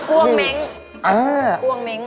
ก้วงเม้งก์